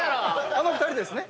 あの２人ですね？